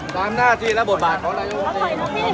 สามหน้าที่และบทบาทของนายกสู้